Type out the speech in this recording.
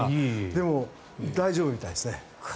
でも、大丈夫みたいです。